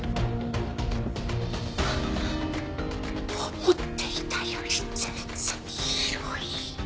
思っていたより全然広い。